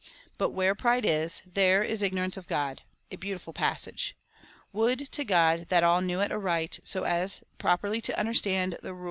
But where pride is, there is ignorance of God^ — a beau tiful passage ! Would to God that all knew it aright, so as properly to understand the rule of right knowledge